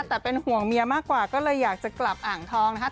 แต่เป็นห่วงเมียมากกว่าก็เลยอยากจะกลับอ่างทองนะครับ